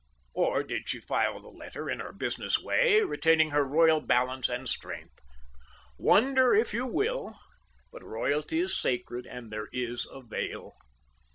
Or did she file the letter, in her business way, retaining her royal balance and strength? Wonder, if you will; but royalty is sacred; and there is a veil.